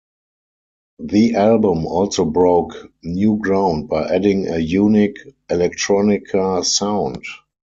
The album also broke new ground by adding a unique electronica sound.